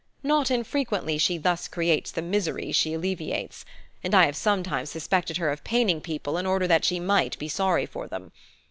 Not infrequently she thus creates the misery she alleviates; and I have sometimes suspected her of paining people in order that she might be sorry for them.